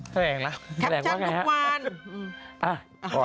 แทรกจับน้ำใครพี่ก่อน